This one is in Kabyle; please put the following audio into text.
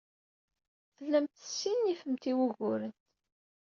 Tellamt tessinifemt i wuguren.